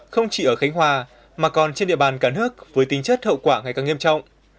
không chỉ ở khánh hòa mà còn trên địa bàn cả nước với tính chất hậu quả ngày càng nghiêm trọng